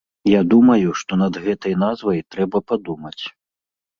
Я думаю, што над гэтай назвай трэба падумаць.